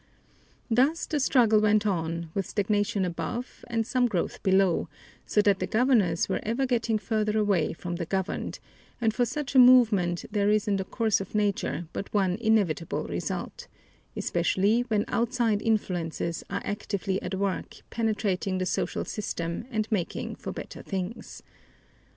Thus the struggle went on, with stagnation above and some growth below, so that the governors were ever getting further away from the governed, and for such a movement there is in the course of nature but one inevitable result, especially when outside influences are actively at work penetrating the social system and making for better things.